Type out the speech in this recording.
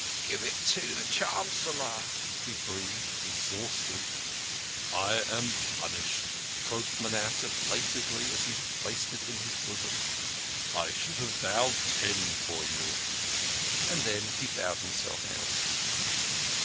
" Give it to the Chancellor," he breathed, exhausted. " I am punished," quoth Manasseh plaintively as he placed it in his bosom. " I should have vowed ten for you." And he bowed himself out.